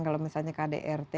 kalau misalnya kdrt